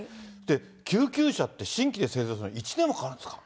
救急車って、新規で製造するのに１年もかかるんですか。